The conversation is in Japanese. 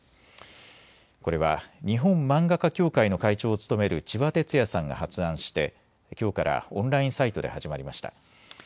これは日本漫画家協会の会長を務めるちばてつやさんが発案してきょうからオンラインサイトで始まりました。